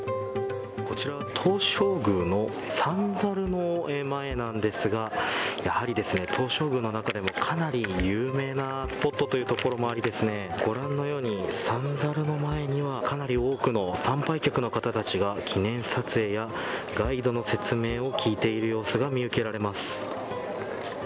こちらは東照宮の三猿の前なんですがやはり、東照宮の中でもかなり有名なスポットというところもありご覧のように三猿の前にはかなり多くの参拝客の方たちが記念撮影やガイドの説明を聞いている様子が見受けられます。